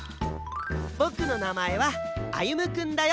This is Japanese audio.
ぼくのなまえは歩くんだよ！